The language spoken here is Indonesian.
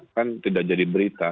kan tidak jadi berita